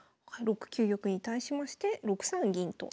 ６九玉に対しまして６三銀と。